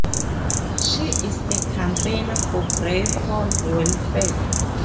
She is a campaigner for greyhound welfare.